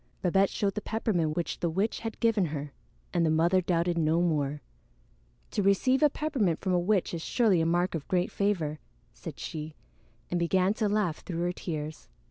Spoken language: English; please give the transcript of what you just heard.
Babette showed the peppermint which the witch had given her, and the mother doubted no more. "To receive a peppermint from a witch is surely a mark of great favor," said she, and began to laugh through her tears.